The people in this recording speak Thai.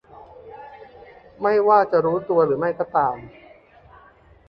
ไม่ว่าจะรู้ตัวหรือไม่ก็ตาม